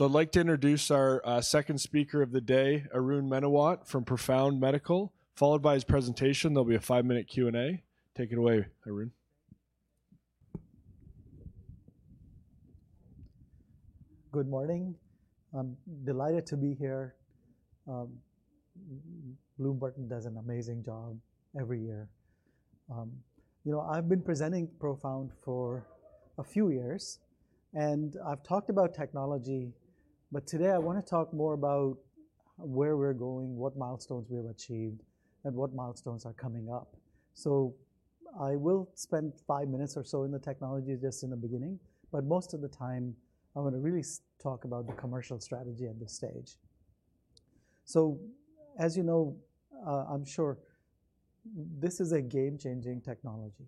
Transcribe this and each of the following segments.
I'd like to introduce our second speaker of the day, Arun Menawat from Profound Medical. Followed by his presentation, there'll be a five-minute Q&A. Take it away, Arun. Good morning. I'm delighted to be here. Bloom Burton does an amazing job every year. You know, I've been presenting Profound for a few years, and I've talked about technology. Today I wanna talk more about where we're going, what milestones we have achieved, and what milestones are coming up. I will spend 5 minutes or so in the technology just in the beginning, but most of the time, I wanna really talk about the commercial strategy at this stage. As you know, I'm sure, this is a game-changing technology.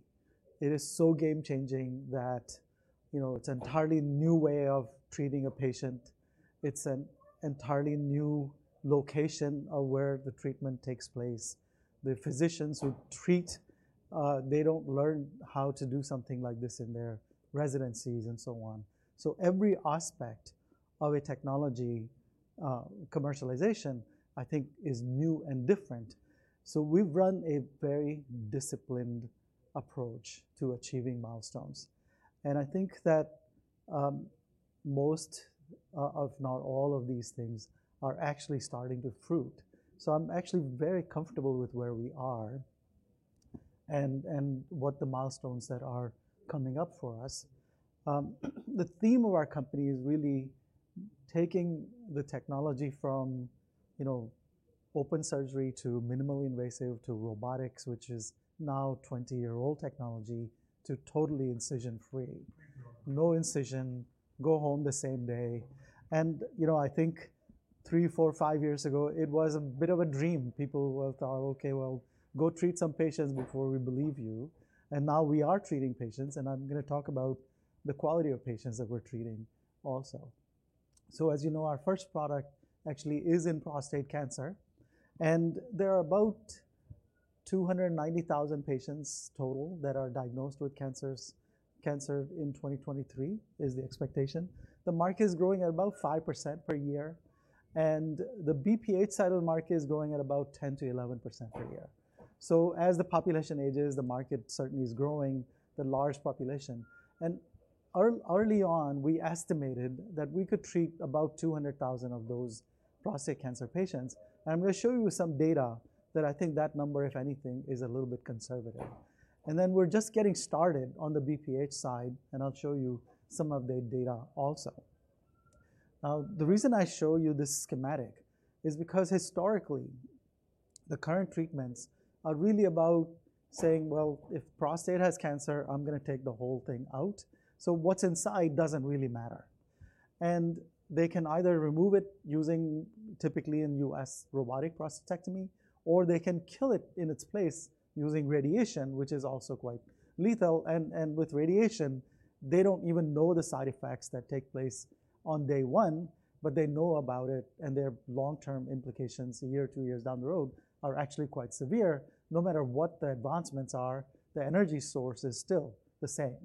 It is so game-changing that, you know, it's entirely new way of treating a patient. It's an entirely new location of where the treatment takes place. The physicians who treat, they don't learn how to do something like this in their residencies and so on. Every aspect of a technology commercialization, I think, is new and different. We've run a very disciplined approach to achieving milestones. I think that most of not all of these things are actually starting to fruit. I'm actually very comfortable with where we are and what the milestones that are coming up for us. The theme of our company is really taking the technology from, you know, open surgery to minimally invasive to robotics, which is now 20-year-old technology, to totally incision-free. No incision, go home the same day. You know, I think three, four, five years ago, it was a bit of a dream. People would thought, "Okay, well, go treat some patients before we believe you." Now we are treating patients, and I'm gonna talk about the quality of patients that we're treating also. As you know, our first product actually is in prostate cancer, and there are about 290,000 patients total that are diagnosed with cancer in 2023, is the expectation. The market is growing at about 5% per year, and the BPH side of the market is growing at about 10%-11% per year. As the population ages, the market certainly is growing the large population. Early on, we estimated that we could treat about 200,000 of those prostate cancer patients. I'm gonna show you some data that I think that number, if anything, is a little bit conservative. Then we're just getting started on the BPH side, and I'll show you some of the data also. The reason I show you this schematic is because historically, the current treatments are really about saying, "Well, if prostate has cancer, I'm gonna take the whole thing out, so what's inside doesn't really matter." They can either remove it using, typically in U.S., robotic prostatectomy, or they can kill it in its place using radiation, which is also quite lethal. And with radiation, they don't even know the side effects that take place on day one, but they know about it and their long-term implications a year or two years down the road are actually quite severe. No matter what the advancements are, the energy source is still the same.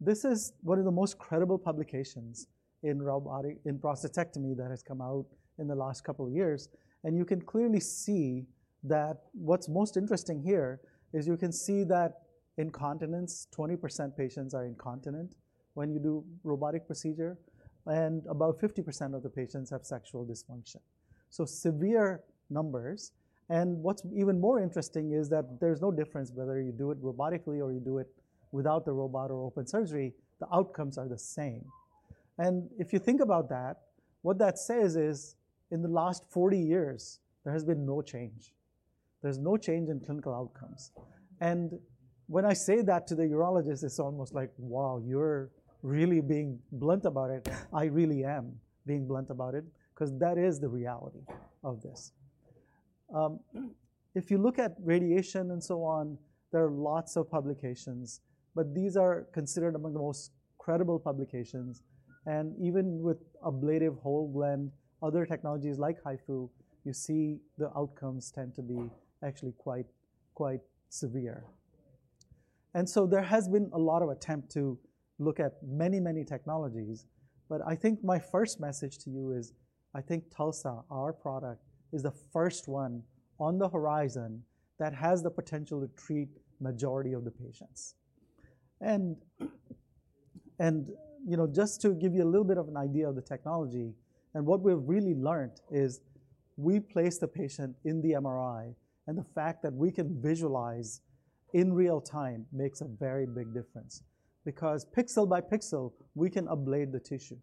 This is one of the most credible publications in prostatectomy that has come out in the last couple of years. You can clearly see that what's most interesting here is you can see that incontinence, 20% patients are incontinent when you do robotic procedure, and about 50% of the patients have sexual dysfunction. Severe numbers. What's even more interesting is that there's no difference whether you do it robotically or you do it without the robot or open surgery, the outcomes are the same. If you think about that, what that says is, in the last 40 years, there has been no change. There's no change in clinical outcomes. When I say that to the urologist, it's almost like, "Wow, you're really being blunt about it." I really am being blunt about it 'cause that is the reality of this. If you look at radiation and so on, there are lots of publications, but these are considered among the most credible publications. Even with ablative whole gland, other technologies like HIFU, you see the outcomes tend to be actually quite severe. There has been a lot of attempt to look at many technologies. I think my first message to you is, I think TULSA, our product, is the first one on the horizon that has the potential to treat majority of the patients. You know, just to give you a little bit of an idea of the technology, and what we've really learnt is we place the patient in the MRI, and the fact that we can visualize in real-time makes a very big difference because pixel by pixel, we can ablate the tissue.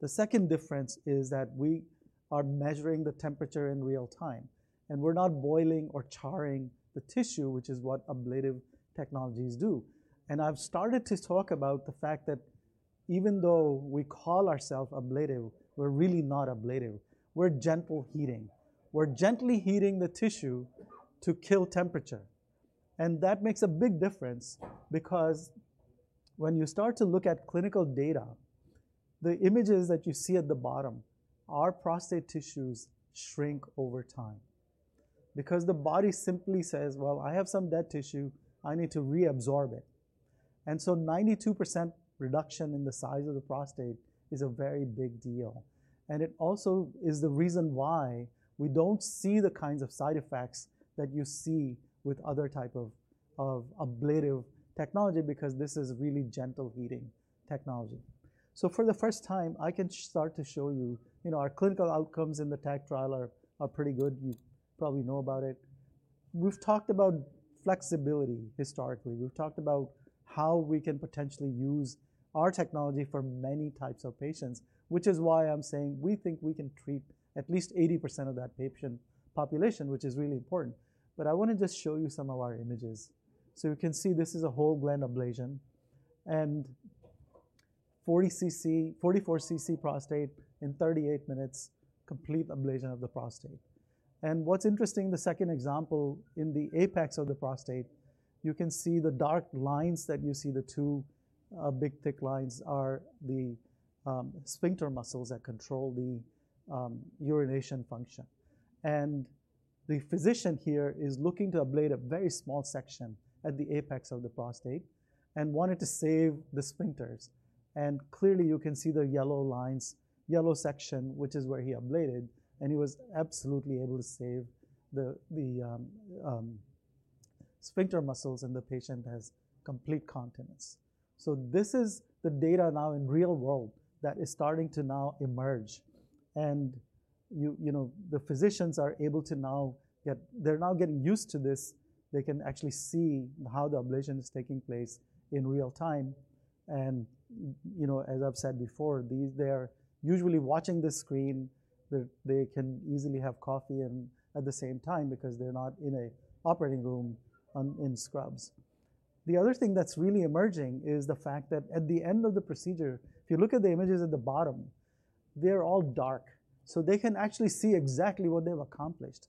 The second difference is that we are measuring the temperature in real-time, and we're not boiling or charring the tissue, which is what ablative technologies do. I've started to talk about the fact that even though we call ourself ablative, we're really not ablative. We're gentle heating. We're gently heating the tissue to kill temperature. That makes a big difference because when you start to look at clinical data. The images that you see at the bottom are prostate tissues shrink over time because the body simply says, "Well, I have some dead tissue, I need to reabsorb it." 92% reduction in the size of the prostate is a very big deal. It also is the reason why we don't see the kinds of side effects that you see with other type of ablative technology, because this is really gentle heating technology. For the first time, I can start to show you know, our clinical outcomes in the TACT trial are pretty good. You probably know about it. We've talked about flexibility historically. We've talked about how we can potentially use our technology for many types of patients, which is why I'm saying we think we can treat at least 80% of that patient population, which is really important. I wanna just show you some of our images. You can see this is a whole gland ablation, and 44cc prostate in 38 minutes, complete ablation of the prostate. What's interesting, the second example in the apex of the prostate, you can see the dark lines that you see. The two big thick lines are the sphincter muscles that control the urination function. The physician here is looking to ablate a very small section at the apex of the prostate and wanted to save the sphincters. Clearly, you can see the yellow lines, yellow section, which is where he ablated, and he was absolutely able to save the sphincter muscles, and the patient has complete continence. This is the data now in real world that is starting to now emerge. You know, the physicians are able to now they're now getting used to this. They can actually see how the ablation is taking place in real time. You know, as I've said before, they are usually watching the screen. They can easily have coffee at the same time because they're not in a operating room in scrubs. The other thing that's really emerging is the fact that at the end of the procedure, if you look at the images at the bottom, they're all dark. They can actually see exactly what they've accomplished.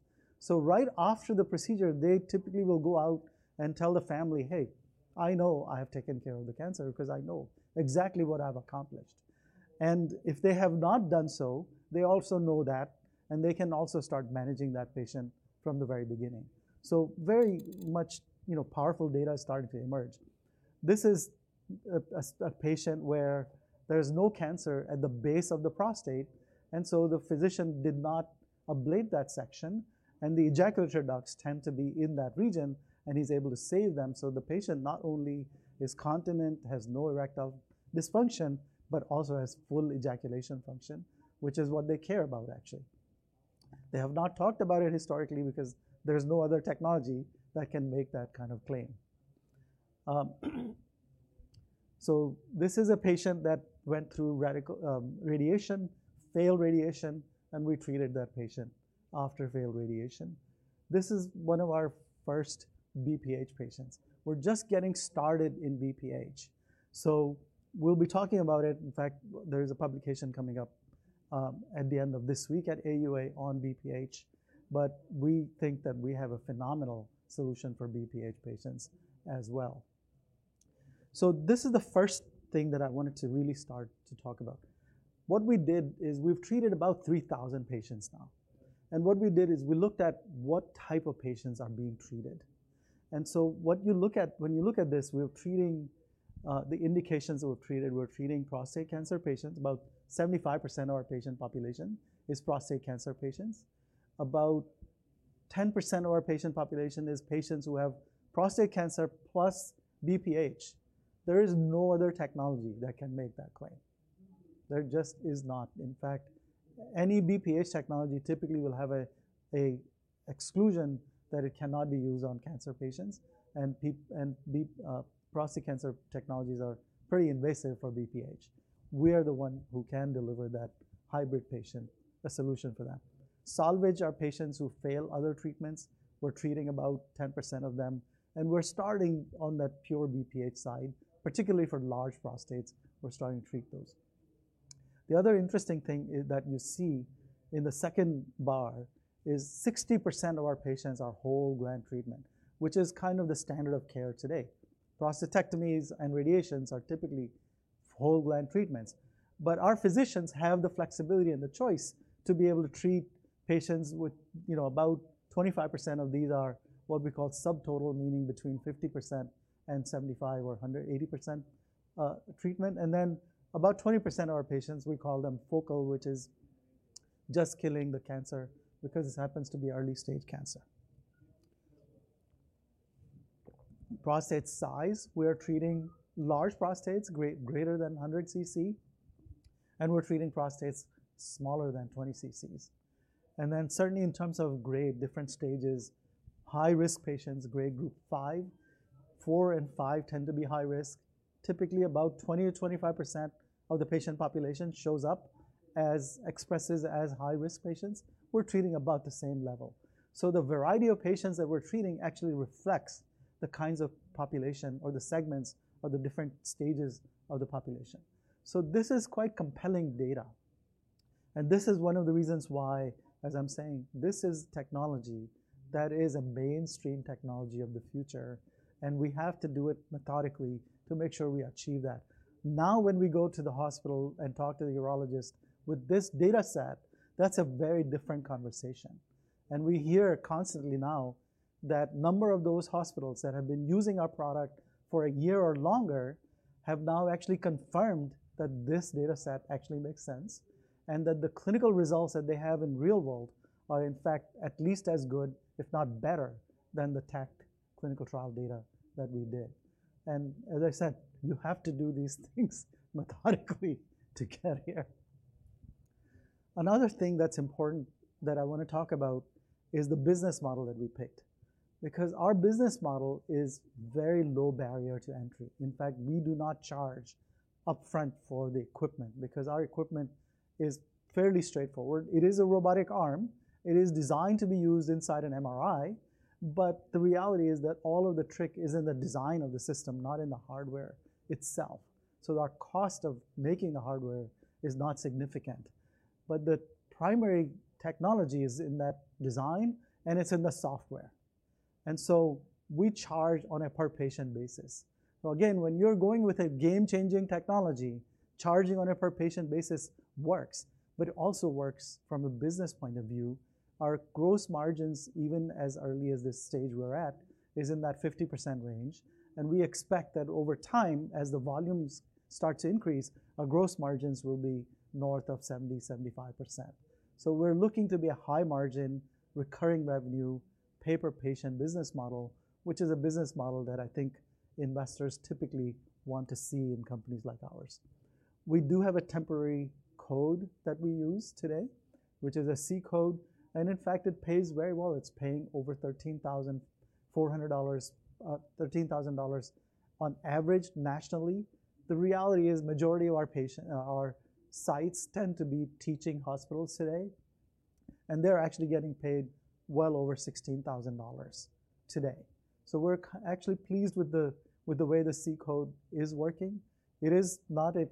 Right after the procedure, they typically will go out and tell the family, "Hey, I know I have taken care of the cancer 'cause I know exactly what I've accomplished." If they have not done so, they also know that, and they can also start managing that patient from the very beginning. Very much, you know, powerful data is starting to emerge. This is a patient where there's no cancer at the base of the prostate, the physician did not ablate that section. The ejaculatory ducts tend to be in that region, and he's able to save them, the patient not only is continent, has no erectile dysfunction, but also has full ejaculation function, which is what they care about actually. They have not talked about it historically because there's no other technology that can make that kind of claim. This is a patient that went through radical radiation, failed radiation, and we treated that patient after failed radiation. This is one of our first BPH patients. We're just getting started in BPH. We'll be talking about it. In fact, there is a publication coming up at the end of this week at AUA on BPH. We think that we have a phenomenal solution for BPH patients as well. This is the first thing that I wanted to really start to talk about. What we did is we've treated about 3,000 patients now. What we did is we looked at what type of patients are being treated. What you look at when you look at this, we're treating the indications that we've treated, we're treating prostate cancer patients. About 75% of our patient population is prostate cancer patients. About 10% of our patient population is patients who have prostate cancer plus BPH. There is no other technology that can make that claim. There just is not. In fact, any BPH technology typically will have a exclusion that it cannot be used on cancer patients, and prostate cancer technologies are pretty invasive for BPH. We're the one who can deliver that hybrid patient, a solution for them. Salvage are patients who fail other treatments. We're treating about 10% of them, and we're starting on that pure BPH side, particularly for large prostates, we're starting to treat those. The other interesting thing that you see in the second bar is 60% of our patients are whole gland treatment, which is kind of the standard of care today. Prostatectomies and radiations are typically whole gland treatments. Our physicians have the flexibility and the choice to be able to treat patients with, you know, about 25% of these are what we call subtotal, meaning between 50% and 75% or 100%, 80% treatment. About 20% of our patients, we call them focal, which is just killing the cancer because this happens to be early-stage cancer. Prostate size, we are treating large prostates greater than 100cc, and we're treating prostates smaller than 20cc. Certainly in terms of grade, different stages, high-risk patients, grade group V. IV and V tend to be high risk. Typically, about 20%-25% of the patient population expresses as high-risk patients. We're treating about the same level. The variety of patients that we're treating actually reflects the kinds of population or the segments or the different stages of the population. This is quite compelling data. This is one of the reasons why, as I'm saying, this is technology that is a mainstream technology of the future, and we have to do it methodically to make sure we achieve that. Now, when we go to the hospital and talk to the urologist with this data set, that's a very different conversation. We hear constantly now that number of those hospitals that have been using our product for a year or longer have now actually confirmed that this data set actually makes sense and that the clinical results that they have in real world are in fact at least as good, if not better than the TACT clinical trial data that we did. As I said, you have to do these things methodically to get here. Another thing that's important that I wanna talk about is the business model that we picked. Our business model is very low barrier to entry. In fact, we do not charge upfront for the equipment because our equipment is fairly straightforward. It is a robotic arm. It is designed to be used inside an MRI. The reality is that all of the trick is in the design of the system, not in the hardware itself. Our cost of making the hardware is not significant, but the primary technology is in that design and it's in the software. We charge on a per-patient basis. Again, when you're going with a game-changing technology, charging on a per-patient basis works, but it also works from a business point of view. Our gross margins, even as early as this stage we're at, is in that 50% range, and we expect that over time, as the volumes start to increase, our gross margins will be north of 70-75%. We're looking to be a high-margin, recurring revenue, pay-per-patient business model, which is a business model that I think investors typically want to see in companies like ours. We do have a temporary code that we use today, which is a C -code. In fact it pays very well. It's paying over $13,400, $13,000 on average nationally. The reality is majority of our sites tend to be teaching hospitals today. They're actually getting paid well over $16,000 today. We're actually pleased with the way the C-code is working. It is not an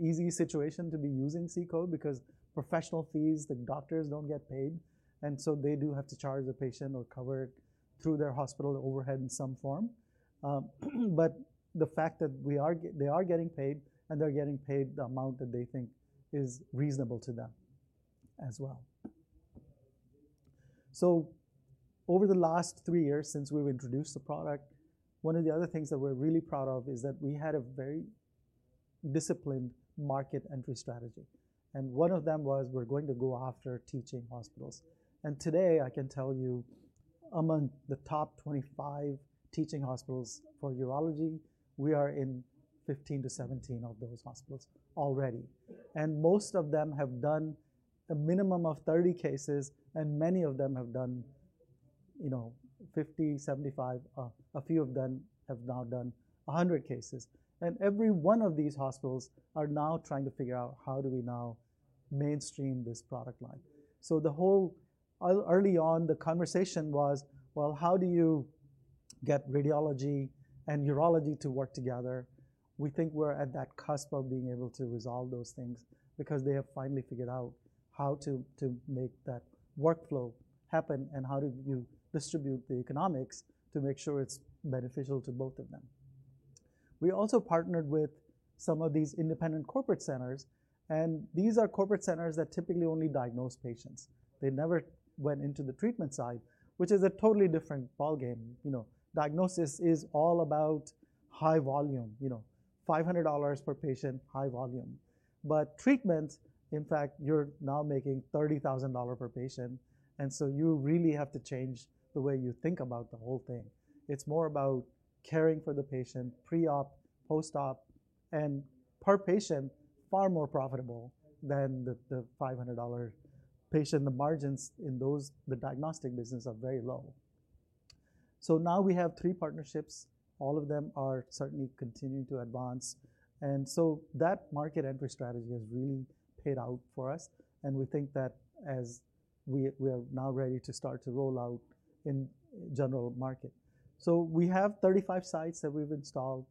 easy situation to be using C-code because professional fees, the doctors don't get paid. They do have to charge the patient or cover it through their hospital overhead in some form. The fact that they are getting paid and they're getting paid the amount that they think is reasonable to them as well. Over the last three years since we've introduced the product, one of the other things that we're really proud of is that we had a very disciplined market entry strategy, and one of them was we're going to go after teaching hospitals. Today, I can tell you among the top 25 teaching hospitals for urology, we are in 15-17 of those hospitals already. Most of them have done a minimum of 30 cases, and many of them have done, you know, 50, 75, a few of them have now done 100 cases. Every one of these hospitals are now trying to figure out how do we now mainstream this product line. Early on, the conversation was, well, how do you get radiology and urology to work together? We think we're at that cusp of being able to resolve those things because they have finally figured out how to make that workflow happen and how do you distribute the economics to make sure it's beneficial to both of them. We also partnered with some of these independent corporate centers, and these are corporate centers that typically only diagnose patients. They never went into the treatment side, which is a totally different ballgame. You know, diagnosis is all about high volume, you know, $500 per patient, high volume. Treatment, in fact, you're now making $30,000 per patient, you really have to change the way you think about the whole thing. It's more about caring for the patient, pre-op, post-op, and per patient, far more profitable than the $500 patient. The margins in those, the diagnostic business are very low. Now we have three partnerships. All of them are certainly continuing to advance, and so that market entry strategy has really paid out for us, and we think that as we are now ready to start to roll out in general market. We have 35 sites that we've installed.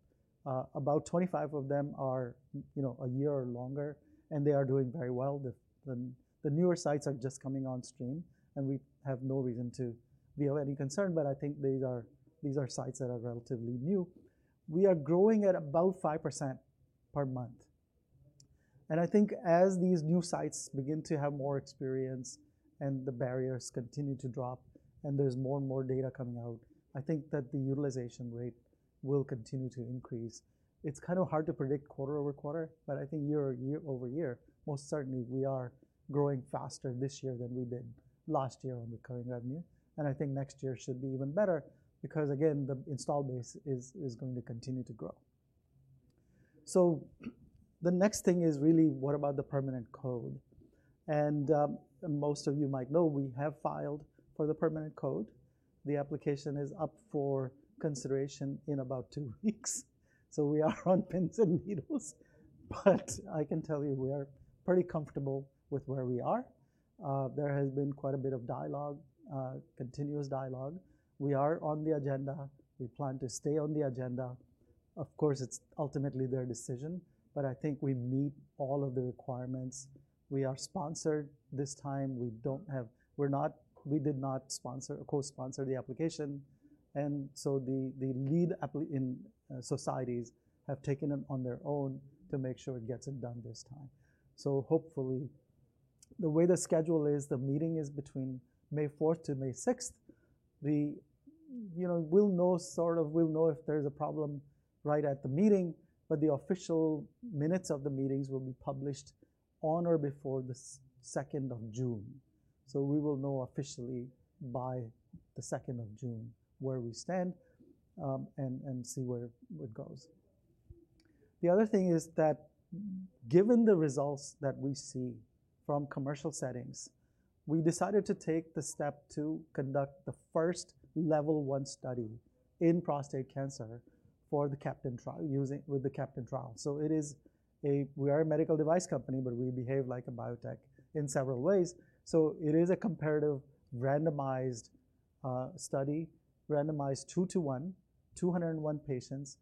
About 25 of them are, you know, a year or longer, and they are doing very well. The newer sites are just coming on stream, and we have no reason to be of any concern, but I think these are sites that are relatively new. We are growing at about 5% per month. I think as these new sites begin to have more experience and the barriers continue to drop and there's more and more data coming out, I think that the utilization rate will continue to increase. It's kind of hard to predict quarter-over-quarter, but I think year-over-year, most certainly we are growing faster this year than we did last year on recurring revenue. I think next year should be even better because again, the install base is going to continue to grow. The next thing is really what about the permanent code? Most of you might know we have filed for the permanent code. The application is up for consideration in about two weeks. We are on pins and needles, but I can tell you we are pretty comfortable with where we are. There has been quite a bit of dialogue, continuous dialogue. We are on the agenda. We plan to stay on the agenda. Of course, it's ultimately their decision, but I think we meet all of the requirements. We are sponsored this time. We did not co-sponsor the application, the lead societies have taken them on their own to make sure it gets it done this time. Hopefully, the way the schedule is, the meeting is between May 4th-May 6th. We, you know, we'll know if there's a problem right at the meeting, but the official minutes of the meetings will be published on or before the second of June. We will know officially by the 2nd of June where we stand, and see where it goes. The other thing is that given the results that we see from commercial settings, we decided to take the step to conduct the first Level 1 study in prostate cancer for the CAPTAIN trial with the CAPTAIN trial. We are a medical device company, but we behave like a biotech in several ways. It is a comparative randomized study, randomized two to one, 201 patients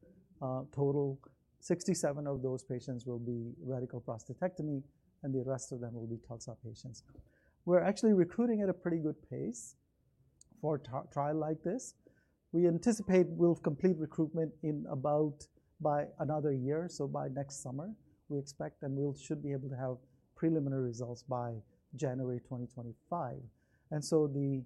total. 67 of those patients will be radical prostatectomy, and the rest of them will be TULSA patients. We're actually recruiting at a pretty good pace for a trial like this. We anticipate we'll complete recruitment in about by another year, so by next summer, we expect, and we should be able to have preliminary results by January 2025. The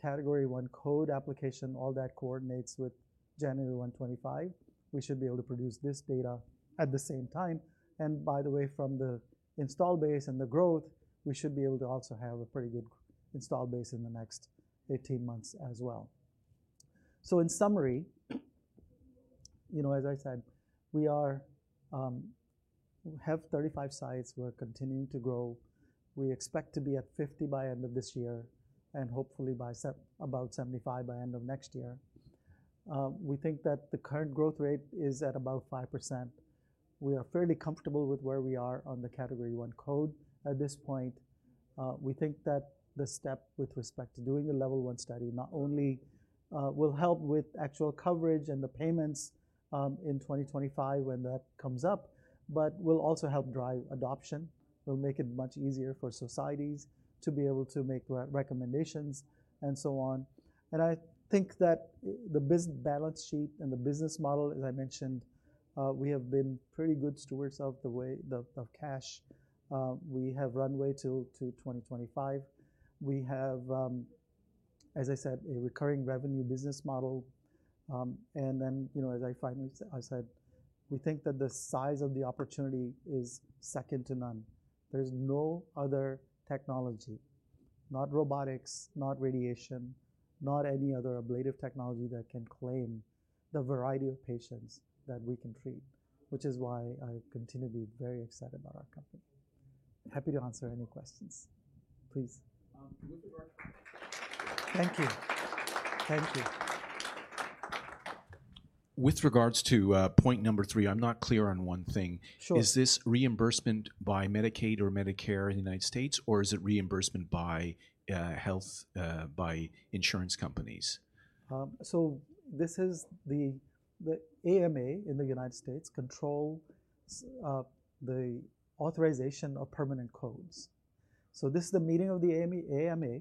Category I code application, all that coordinates with January 2025. We should be able to produce this data at the same time. By the way, from the install base and the growth, we should be able to also have a pretty good install base in the next 18 months as well. In summary, you know, as I said, we are, we have 35 sites. We're continuing to grow. We expect to be at 50 by end of this year and hopefully about 75 by end of next year. We think that the current growth rate is at about 5%. We are fairly comfortable with where we are on the Category I code at this point. We think that the step with respect to doing the level one study not only will help with actual coverage and the payments in 2025 when that comes up, but will also help drive adoption. It'll make it much easier for societies to be able to make re-recommendations and so on. I think that the balance sheet and the business model, as I mentioned, we have been pretty good stewards of the way of cash. We have runway till 2025. We have, as I said, a recurring revenue business model. You know, as I finally I said, we think that the size of the opportunity is second to none. There's no other technology, not robotics, not radiation, not any other ablative technology that can claim the variety of patients that we can treat, which is why I continue to be very excited about our company. Happy to answer any questions. Please. Good work. Thank you. Thank you. With regards to, point number three, I'm not clear on one thing. Sure. Is this reimbursement by Medicaid or Medicare in the U.S., or is it reimbursement by health by insurance companies? This is the AMA in the United States controls the authorization of permanent codes. This is the meeting of the AMA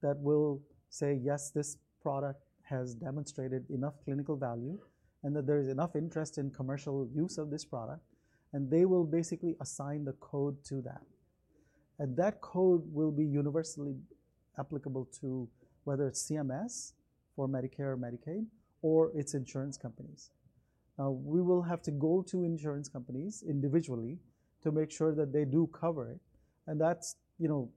that will say, "Yes, this product has demonstrated enough clinical value and that there is enough interest in commercial use of this product," and they will basically assign the code to that. That code will be universally applicable to whether it's CMS for Medicare or Medicaid or it's insurance companies. We will have to go to insurance companies individually to make sure that they do cover it, and that's, you know,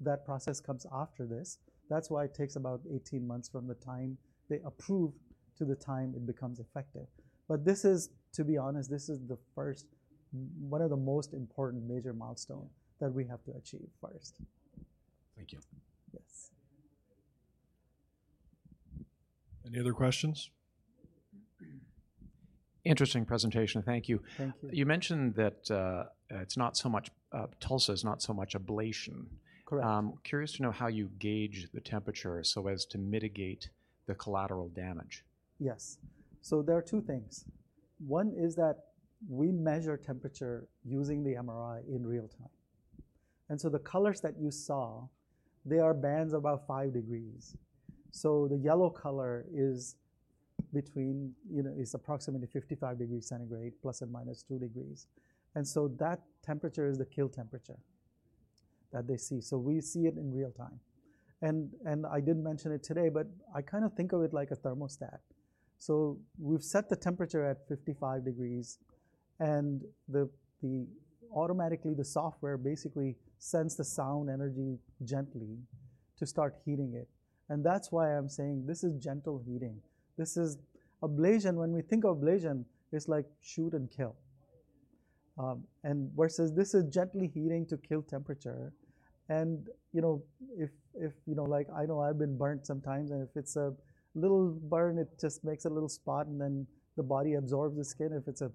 that process comes after this. That's why it takes about 18 months from the time they approve to the time it becomes effective. This is, to be honest, this is the first one of the most important major milestone that we have to achieve first. Thank you. Yes. Any other questions? Interesting presentation. Thank you. Thank you. You mentioned that, it's not so much, TULSA is not so much ablation. Correct. I'm curious to know how you gauge the temperature so as to mitigate the collateral damage. Yes. There are two things. One is that we measure temperature using the MRI in real time. The colors that you saw, they are bands about 5 degrees. The yellow color is between, you know, is approximately 55 degrees Celsius ±2 degrees. That temperature is the kill temperature that they see. We see it in real time. And I didn't mention it today, but I kind of think of it like a thermostat. We've set the temperature at 55 degrees Celcius, and automatically the software basically sends the sound energy gently to start heating it. That's why I'm saying this is gentle heating. This is ablation. When we think of ablation, it's like shoot and kill. Versus this is gently heating to kill temperature. You know, if, you know, like I know I've been burnt sometimes, and if it's a little burn, it just makes a little spot, and then the body absorbs the skin. If it's a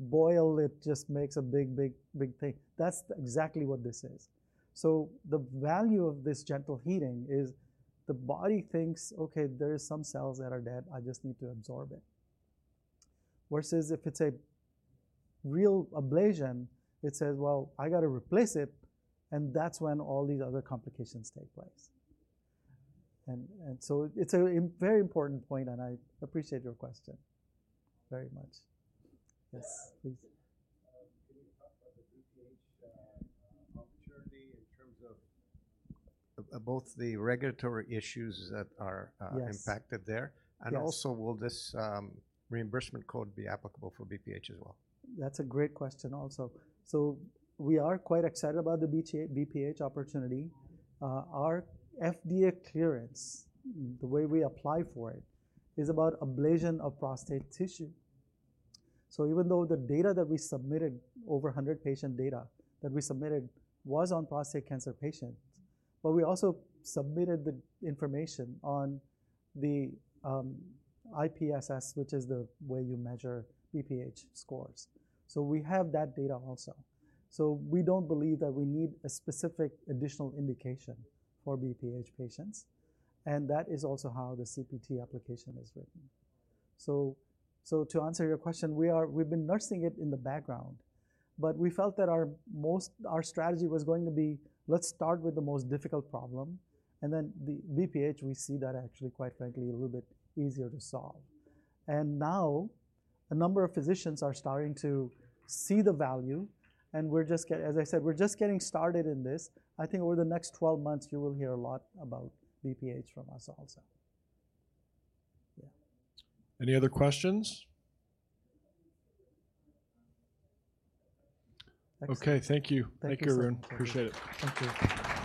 boil it just makes a big thing. That's exactly what this is. The value of this gentle heating is the body thinks, "Okay, there are some cells that are dead, I just need to absorb it." Versus if it's a real ablation, it says, "Well, I gotta replace it," and that's when all these other complications take place. It's a very important point, and I appreciate your question very much. Yes, please. Can you talk about the BPH opportunity in terms of both the regulatory issues that are... Yes. Impacted there? Yes. Also, will this reimbursement code be applicable for BPH as well? That's a great question also. We are quite excited about the BPH opportunity. Our FDA clearance, the way we apply for it, is about ablation of prostate tissue. Even though the data that we submitted, over 100 patient data that we submitted was on prostate cancer patients, but we also submitted the information on the IPSS, which is the way you measure BPH scores. We have that data also. We don't believe that we need a specific additional indication for BPH patients, and that is also how the CPT application is written. To answer your question, we've been nursing it in the background, but we felt that our strategy was going to be, let's start with the most difficult problem, and then the BPH, we see that actually, quite frankly, a little bit easier to solve. Now a number of physicians are starting to see the value, and we're just as I said, we're just getting started in this. I think over the next 12 months, you will hear a lot about BPH from us also. Yeah. Any other questions? Thanks. Okay. Thank you. Thank you, sir. Thank you, Arun. Appreciate it. Thank you.